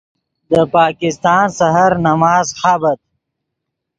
دے پاکستان سحر نماز خابت